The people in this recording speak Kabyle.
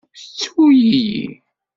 Ttu-iyi.